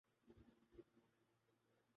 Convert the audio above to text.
کئی پرانی باتوں پہ اب ہنسی آتی ہے۔